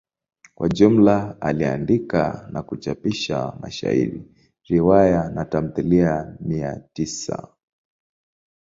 Kwa jumla aliandika na kuchapisha mashairi, riwaya na tamthilia mia tisa.